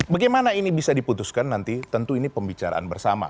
bagaimana ini bisa diputuskan nanti tentu ini pembicaraan bersama